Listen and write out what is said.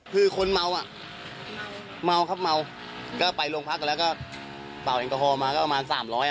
คือคนเมาอ่ะเมาครับเมาก็ไปโรงพักแล้วก็เป่าแอลกอฮอลมาก็ประมาณ๓๐๐